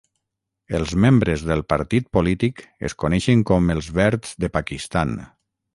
Els membres del partit polític es coneixen com "els verds de Pakistan".